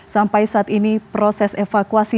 sampai saat ini proses evakuasi